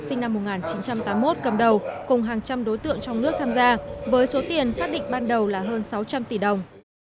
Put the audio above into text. sinh năm một nghìn chín trăm tám mươi một cầm đầu cùng hàng trăm đối tượng trong nước tham gia với số tiền xác định ban đầu là hơn sáu trăm linh tỷ đồng